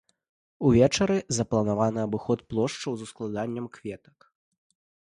Увечары запланаваны абыход плошчаў з ускладаннем кветак.